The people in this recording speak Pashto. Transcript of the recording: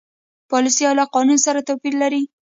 پالیسي له قانون سره توپیر لري.